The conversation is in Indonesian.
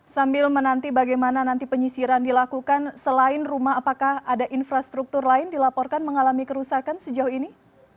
sambil menanti bagaimana nanti penyisiran dilakukan selain rumah apakah ada infrastruktur lain dilaporkan mengalami kerusakan sejauh ini